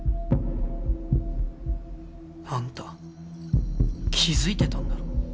あんた気付いてたんだろ？